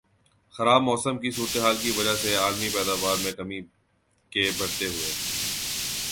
خراب موسم کی صورتحال کی وجہ سے عالمی پیداوار میں کمی کے بڑھتے ہوئے